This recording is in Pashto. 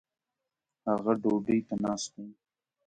هغه ډوډي ته ناست دي